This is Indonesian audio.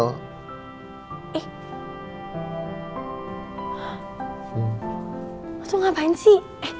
lo tuh ngapain sih